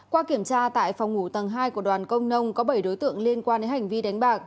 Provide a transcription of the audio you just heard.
qua kiểm tra tại phòng ngủ tầng hai của đoàn công nông có bảy đối tượng liên quan đến hành vi đánh bạc